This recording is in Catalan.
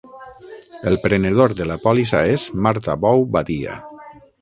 El prenedor de la pòlissa és Marta Bou Badia.